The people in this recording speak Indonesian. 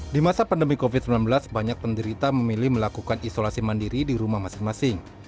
di masa pandemi covid sembilan belas banyak penderita memilih melakukan isolasi mandiri di rumah masing masing